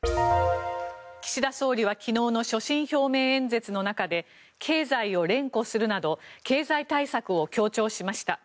岸田総理は昨日の所信表明演説の中で経済を連呼するなど経済対策を強調しました。